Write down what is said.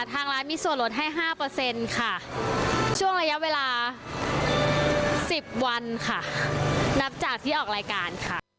ทางร้านมีส่วนลดให้๕เปอร์เซ็นต์ช่วงระยะเวลา๑๐วันนับจากที่ออกรายการ